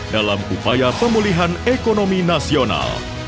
dalam upaya pemulihan ekonomi nasional